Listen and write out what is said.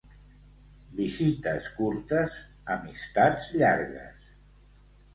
Visites curtes, amistats llargues.